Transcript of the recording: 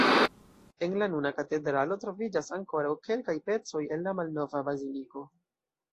En la nuna katedralo troviĝas ankoraŭ kelkaj pecoj el la malnova baziliko.